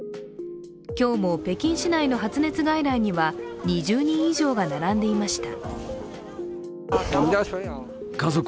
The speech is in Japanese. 今日も北京市内の発熱外来には２０人以上が並んでいました。